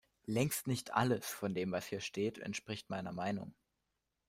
Längst nicht alles von dem, was hier steht, entspricht meiner Meinung.